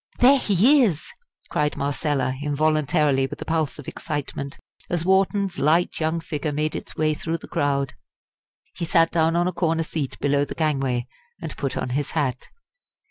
"There he is!" cried Marcella, involuntarily, with a pulse of excitement, as Wharton's light young figure made its way through the crowd. He sat down on a corner seat below the gangway and put on his hat.